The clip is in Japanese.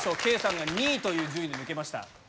圭さんが２位という順位で抜けました。